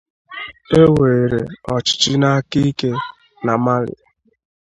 e weere ọchịchị n’aka ike na Mali